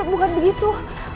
kak nur bukan begitu